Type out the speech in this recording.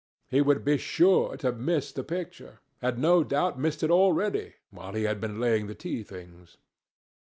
He would be sure to miss the picture—had no doubt missed it already, while he had been laying the tea things.